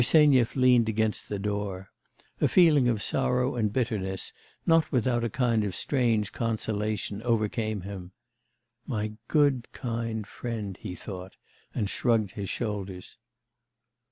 Bersenyev leaned against the door. A feeling of sorrow and bitterness, not without a kind of strange consolation, overcame him. 'My good, kind friend!' he thought and shrugged his shoulders.